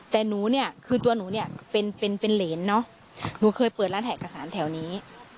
แต่หนูเนี่ยคือตัวหนูเนี่ยเป็นเป็นเหรนเนอะหนูเคยเปิดร้านแหกกระสารแถวนี้